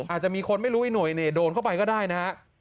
อาจจะมีคนไม่รู้อีกหน่วยโดนเข้าไปก็ได้นะฮะ